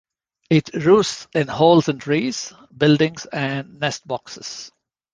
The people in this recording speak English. It roosts in holes in trees, buildings and nestboxes.